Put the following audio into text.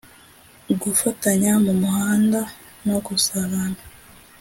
gufatanya mu muganda no gusabana